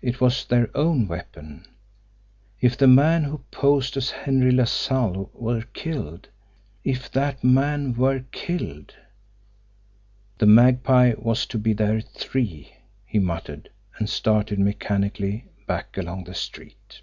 It was their own weapon! If the man who posed as Henry LaSalle were killed! If that man were killed! "The Magpie was to be there at three!" he muttered and started mechanically back along the street.